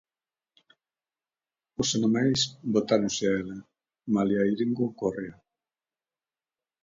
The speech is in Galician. Os animais botáronse a ela, malia iren con correa.